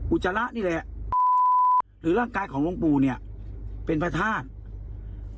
จระนี่แหละหรือร่างกายของหลวงปู่เนี่ยเป็นพระธาตุ